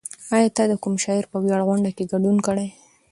ایا ته د کوم شاعر په ویاړ غونډه کې ګډون کړی؟